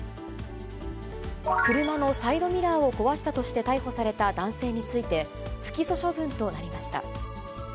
車のサイドミラーを壊したとして逮捕された男性について、不起訴処分となりました。